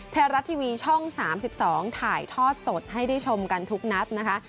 ไทยรัฐทีวีช่อง๓๒ถ่ายทอดสดให้ได้ชมกันทุกนัดนะคะ